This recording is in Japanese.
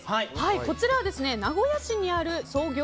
こちらは名古屋市にある創業